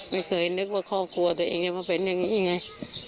ไม่เคยนึกว่าครอบครัวตัวเองจะมาเป็นอย่างนี้ไง